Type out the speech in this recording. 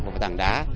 một tảng đá